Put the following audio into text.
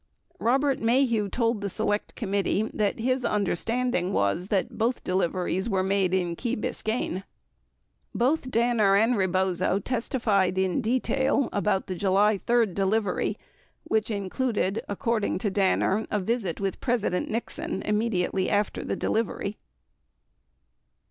29 Robert Maheu told the Select Committee that, his understanding was that, both deliveries were made in Key Biscayne. 30 Both Danner and Rebozo testified in detail about, the July 3 deliv ery, 31 which included, according to Danner, a visit with President Nixon immediately after the delivery.